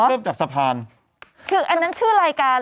อันนั้นชื่อรายการหรือชื่อคนน่ะ